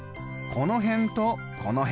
この辺とこの辺